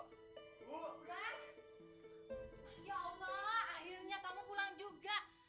semoga masya allah akhirnya kamu pulang juga